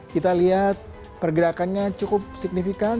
kita lihat pergerakannya cukup signifikan